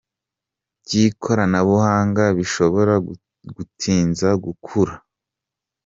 by'ikoranabuhanga, bishobora gutinza gukura.